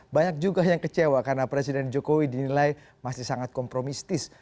banyak juga yang kecewa karena presiden jokowi dinilai masih sangat kompromistis